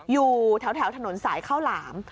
อยู่แถวถนนสายข้าวหลาม